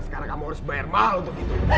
sekarang kamu harus bayar mahal untuk hidup dia